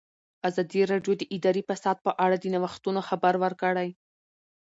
ازادي راډیو د اداري فساد په اړه د نوښتونو خبر ورکړی.